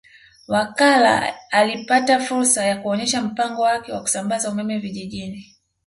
Wakala alipata fursa ya kuonesha mpango wake wa kusambaza umeme vijijini